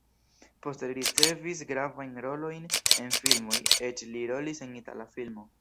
Poste li ricevis gravajn rolojn en filmoj, eĉ li rolis en itala filmo.